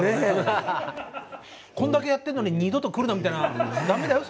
こんだけやってるのに二度と来るなみたいなダメだよ